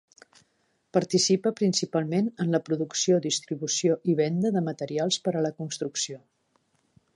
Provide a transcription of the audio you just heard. Participa principalment en la producció, distribució i venda de materials per a la construcció.